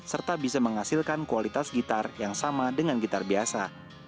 serta bisa menghasilkan kualitas gitar yang sama dengan gitar biasa